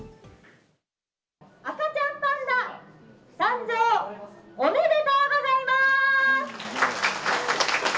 赤ちゃんパンダ、誕生おめでとうございます。